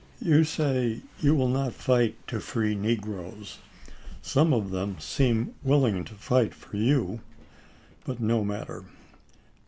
You say you will not fight to free negroes. Some of them seem willing to fight for you — but no matter.